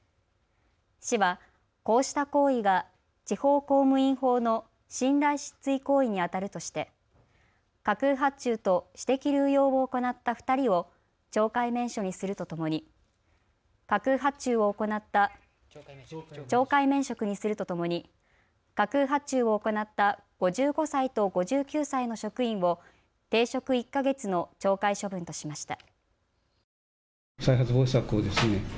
市はこうした行為が地方公務員法の信頼失墜行為にあたるとして架空発注と私的流用を行った２人を懲戒免職にするとともに懲戒免職にするとともに、架空発注を行った５５歳と５９歳の職員を停職１か月の懲戒処分としました。